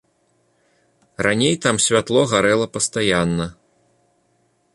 Раней там святло гарэла пастаянна.